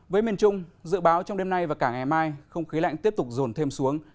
với miền trung dự báo trong đêm nay và cả ngày mai không khí lạnh tiếp tục rồn thêm xuống